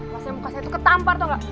masa muka saya tuh ketampar tau gak